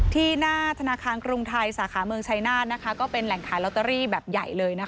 ที่หน้าธนาคารกรุงไทยสาขาเมืองชัยนาธนะคะก็เป็นแหล่งขายลอตเตอรี่แบบใหญ่เลยนะคะ